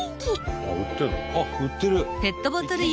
あっ売ってるんだ。